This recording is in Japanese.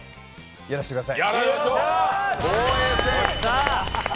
やらせてください。